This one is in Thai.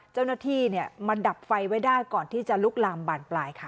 เจ้าหน้าที่มาดับไฟไว้ได้ก่อนที่จะลุกลามบานปลายค่ะ